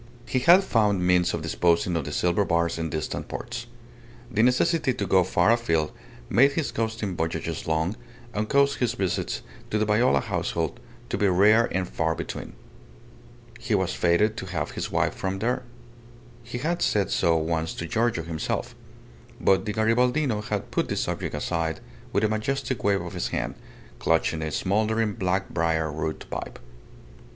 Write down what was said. He had found means of disposing of the silver bars in distant ports. The necessity to go far afield made his coasting voyages long, and caused his visits to the Viola household to be rare and far between. He was fated to have his wife from there. He had said so once to Giorgio himself. But the Garibaldino had put the subject aside with a majestic wave of his hand, clutching a smouldering black briar root pipe.